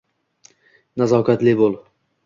Nazokatli bo‘l.